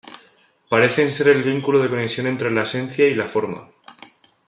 Parecen ser el vínculo de conexión entre la esencia y la forma.